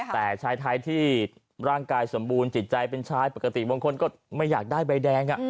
แต่ชายไทยที่ร่างกายสมบูรณ์จิตใจเป็นชายปกติบางคนก็ไม่อยากได้ใบแดง